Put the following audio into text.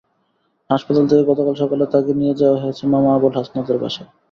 হাসপাতাল থেকে গতকাল সকালে তাকে নিয়ে যাওয়া হয়েছে মামা আবুল হাসানাতের বাসায়।